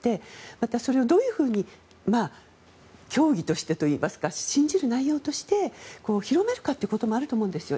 また、それをどう教義としてというか信じる内容として広がるかということもあると思うんですよ。